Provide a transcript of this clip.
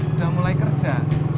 udah mulai kerja